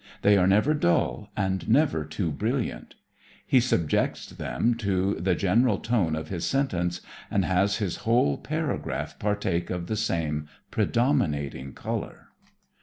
They are never dull and never too brilliant. He subjects them to the general tone of his sentence and has his whole paragraph partake of the same predominating color.